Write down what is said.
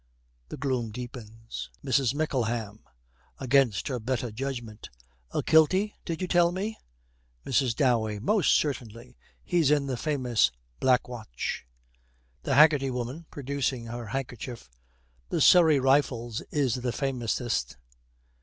The gloom deepens. MRS. MICKLEHAM, against her better judgment, 'A kilty, did you tell me?' MRS. DOWEY. 'Most certainly. He's in the famous Black Watch.' THE HAGGERTY WOMAN, producing her handkerchief, 'The Surrey Rifles is the famousest.'